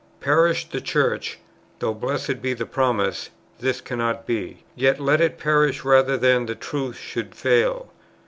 Perish the Church, (though, blessed be the promise! this cannot be,) yet let it perish rather than the Truth should fail.